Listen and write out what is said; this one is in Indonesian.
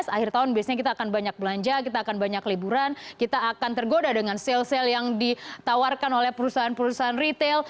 akhir tahun biasanya kita akan banyak belanja kita akan banyak liburan kita akan tergoda dengan sale sale yang ditawarkan oleh perusahaan perusahaan retail